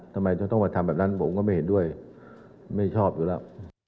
ทำไมจะต้องมาทำแบบนั้นผมก็ไม่เห็นด้วยไม่ชอบอยู่แล้ว